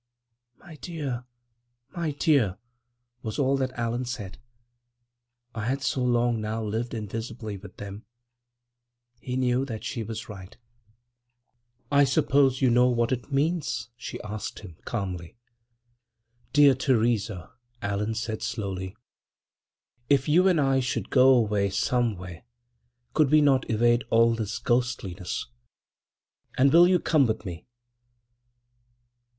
"My dear, my dear!" was all that Allan said. I had so long now lived invisibly with them, he knew that she was right. < 9 > "I suppose you know what it means?" she asked him, calmly. "Dear Theresa," Allan said, slowly, "if you and I should go away somewhere, could we not evade all this ghostliness? And will you come with me?"